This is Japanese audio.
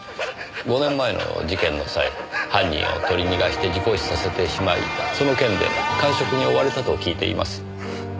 ５年前の事件の際犯人を取り逃がして事故死させてしまいその件で閑職に追われたと聞いています。